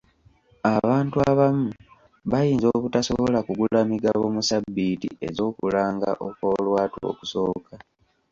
Abantu abamu bayinza obutasobola kugula migabo mu ssabbiiti ez'okulanga okw'olwatu okusooka.